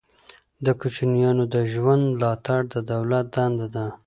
د کوچیانو د ژوند ملاتړ د دولت دنده ده.